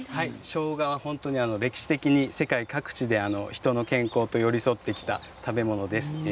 しょうがは歴史的に世界各地で人の健康に寄り添ってきた食べ物です。